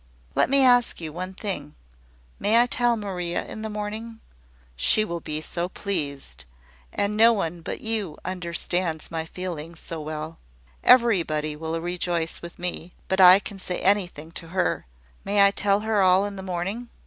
"Let me ask one thing. May I tell Maria in the morning? She will be so pleased! and no one but you understands my feelings so well. Everybody will rejoice with me; but I can say anything to her. May I tell her all in the morning?"